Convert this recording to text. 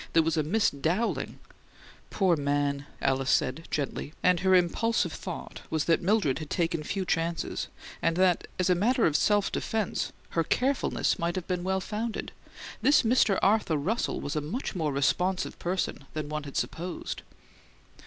There was a Miss Dowling " "Poor man!" Alice said, gently, and her impulsive thought was that Mildred had taken few chances, and that as a matter of self defense her carefulness might have been well founded. This Mr. Arthur Russell was a much more responsive person than one had supposed.